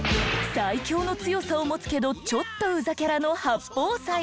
最強の強さを持つけどちょっとうざキャラの八宝斉。